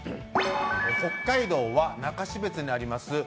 北海道は中標津にあります